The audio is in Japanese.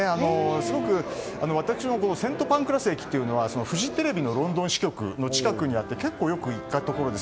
すごく私もセントパンクラス駅はフジテレビのロンドン支局の近くにあって結構よく行ったところです。